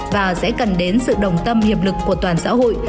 và sẽ cần đến sự đồng tâm hiệp lực của toàn xã hội